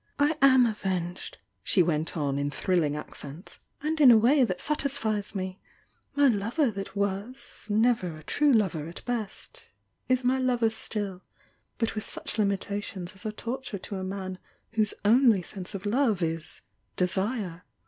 ;;i am avenged!" she went on, in thrilling accents — And m a way that satisfies me. My lover that wM, never a true lover at best, i« myW stmi whnl I®""*' hmitations as are torture to a man whose only sense of love is Desue!